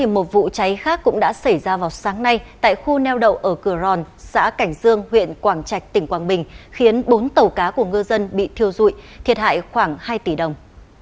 một vụ cháy khác cũng đã xảy ra vào sáng nay tại khu neo đậu ở cửa ròn xã cảnh dương huyện quảng trạch tỉnh quảng bình khiến bốn tàu cá của ngư dân bị thiêu dụi thiệt hại khoảng hai tỷ đồng